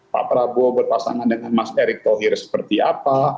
pak prabowo berpasangan dengan mas erick thohir seperti apa